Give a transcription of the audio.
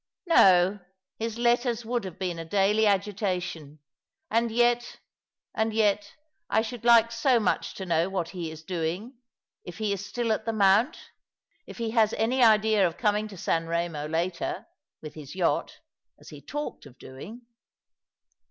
No, his letters would have been a daily agitation — and yet, and yet I should like so much to know what he is doing— if he is still at the Mount — if he has any idea of coming to San Remo later — with his yacht — as he talked of doing."